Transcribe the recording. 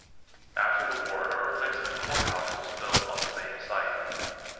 After the war, a replacement courthouse was built on the same site.